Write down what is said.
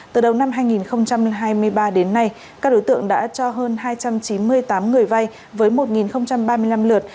từ đầu năm hai nghìn hai mươi ba đến nay các đối tượng đã cho hơn hai trăm chín mươi tám người vay với một ba mươi năm lượt